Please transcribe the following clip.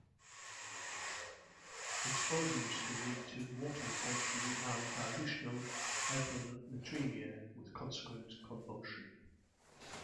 Its overuse can lead to water retention and dilutional hyponatremia with consequent convulsion.